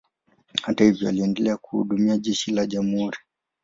Hata hivyo, aliendelea kuhudumia jeshi la jamhuri.